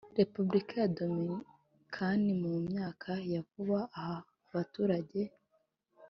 repubulika ya dominikani mu myaka ya vuba aha abaturage